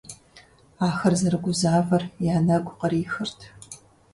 Ахэр зэрыгузавэр я нэгу кърихырт.